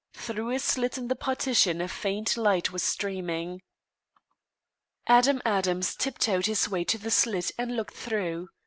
Through a slit in the partition a faint light was streaming. Adam Adams tiptoed his way to the slit and looked through.